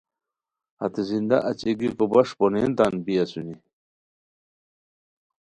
ہتے زندہ اچی گیکو بݰ پونین تان بی اسونی